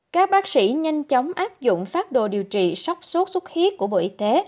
các bác sĩ nhanh chóng áp dụng phát đồ điều trị sóc sốt sốt huyết của bộ y tế